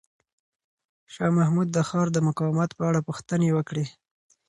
شاه محمود د ښار د مقاومت په اړه پوښتنې وکړې.